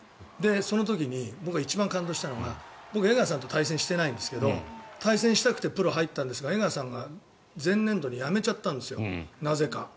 その時に僕が一番感動したのは僕は江川さんと対戦していないんですけど対戦したくてプロに入ったんですが江川さんが前年度にやめちゃったんですよなぜか。